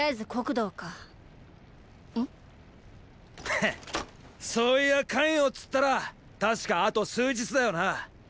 へっそういや咸陽つったらたしかあと数日だよな。